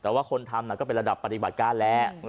แต่ว่าคนทำก็เป็นระดับปฏิบัติการแหละ